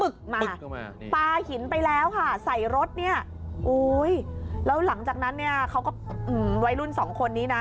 เขาก็วัยรุ่น๒คนนี้นะ